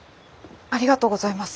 ありがとうございます。